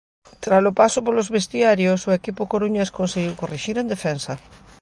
Tralo paso polos vestiarios o equipo coruñés conseguíu corrixir en defensa.